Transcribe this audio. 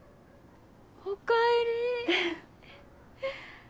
おかえり。